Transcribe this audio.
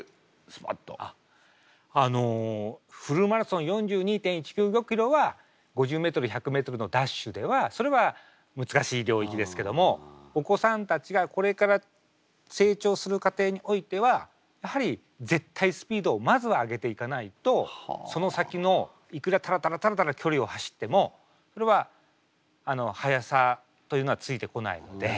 あっあのフルマラソン４２．１９５キロは５０メートル１００メートルのダッシュではそれは難しい領域ですけどもお子さんたちがこれから成長する過程においてはやはり絶対スピードをまずは上げていかないとその先のいくらタラタラタラタラ距離を走ってもそれはあの速さというのはついてこないので。